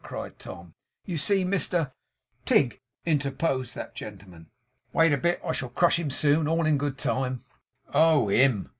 cried Tom. 'You see Mr ' 'Tigg,' interposed that gentleman. 'Wait a bit. I shall crush him soon. All in good time!' 'Oh HIM!